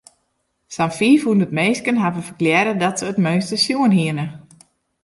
Sa'n fiifhûndert minsken hawwe ferklearre dat se it meunster sjoen hiene.